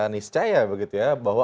niscaya begitu ya bahwa